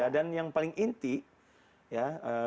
dan yang paling inti ya